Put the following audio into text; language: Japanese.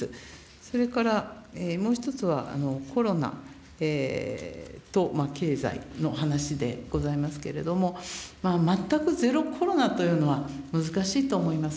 それから、もう一つはコロナと経済の話でございますけれども、全くゼロコロナというのは、難しいと思います。